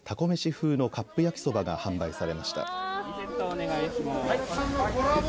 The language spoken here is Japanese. めし風のカップ焼きそばが販売されました。